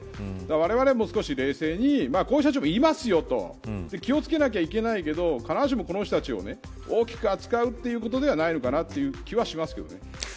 われわれも、もう少し冷静にこういう人たちもいますよと気を付けないといけないけど必ずしもこの人たちを大きく扱うということではないのかなという気はします。